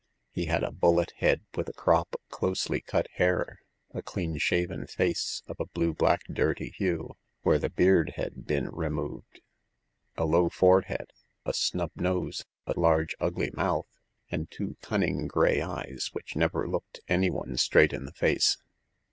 He had a bullet head, with a crop of closely cut hair ; a clean shaven face of a blue black dirty hue, where the beard had been re moved; a low forehead, a snub nose, a large ugly mouth, and two cunning gray eyes which never looked any one straight in the face.